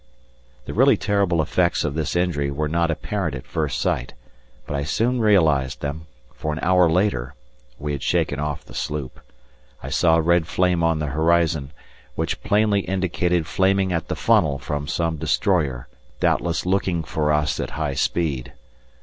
The really terrible effects of this injury were not apparent at first sight, but I soon realized them, for an hour later (we had shaken off the sloop) I saw red flame on the horizon, which plainly indicated flaming at the funnel from some destroyer doubtless looking for us at high speed.